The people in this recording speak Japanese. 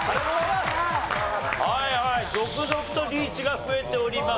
はいはい続々とリーチが増えております。